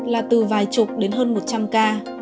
là từ vài chục đến hơn một trăm linh ca